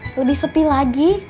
lu di sepi lagi